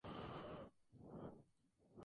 Tuvo como colega al escritor Abraham Valdelomar.